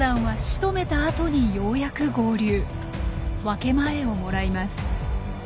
分け前をもらいます。